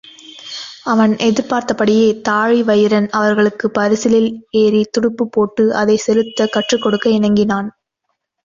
அவன் எதிர்பார்த்தபடியே தாழிவயிறன் அவர்களுக்குப் பரிசலில் ஏறித் துடுப்புப் போட்டு அதைச் செலுத்தக் கற்றுக்கொடுக்க இணங்கினான்.